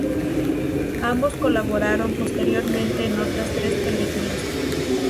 Ambos colaboraron posteriormente en otras tres películas.